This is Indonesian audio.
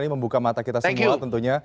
ini membuka mata kita semua tentunya